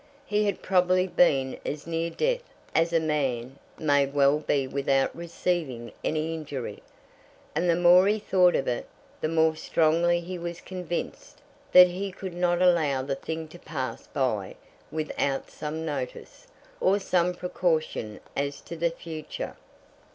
He had probably been as near death as a man may well be without receiving any injury; and the more he thought of it, the more strongly he was convinced that he could not allow the thing to pass by without some notice, or some precaution as to the future.